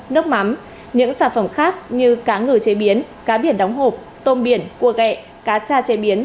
nước mắm những sản phẩm khác như cá ngừ chế biến cá biển đóng hộp tôm biển cua gẹ cá cha chế biến